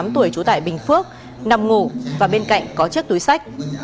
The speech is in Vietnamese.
ba mươi tám tuổi chú tải bình phước nằm ngủ và bên cạnh có chiếc túi sách